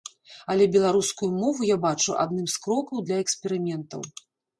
Але беларускую мову я бачу адным з крокаў для эксперыментаў.